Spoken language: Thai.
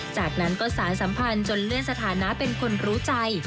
จากนั้นก็สารสัมพันธ์จนเลื่อนสถานะเป็นคนรู้ใจ